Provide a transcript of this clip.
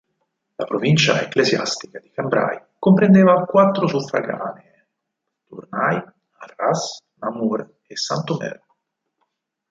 La provincia ecclesiastica di Cambrai comprendeva quattro suffraganee: Tournai, Arras, Namur e Saint-Omer.